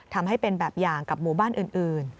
ทำให้เป็นแบบอย่างกับหมู่บ้านอื่น